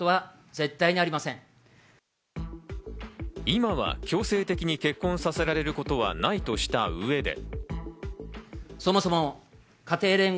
今は強制的に結婚させられることはないとしたうえで。